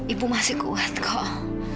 ibu masih kuat kok